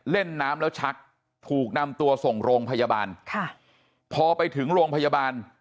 เล่นน้ำแล้วชักถูกนำตัวส่งโรงพยาบาลค่ะพอไปถึงโรงพยาบาล